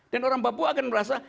dan orang papua akan merasa